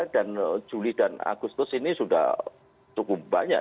dan juli dan agustus ini sudah cukup banyak